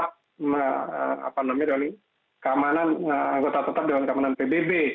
tetap apa namanya keamanan anggota tetap dewan kemenang pbb